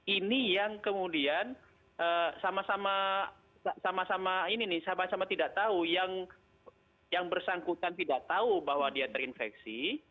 ini yang kemudian sama sama tidak tahu yang bersangkutan tidak tahu bahwa dia terinfeksi